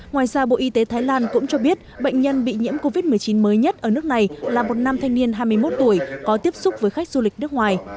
ngoài ra bộ y tế thái lan cũng cho biết bệnh nhân bị nhiễm covid một mươi chín mới nhất ở nước này là một nam thanh niên hai mươi một tuổi có tiếp xúc với khách du lịch nước ngoài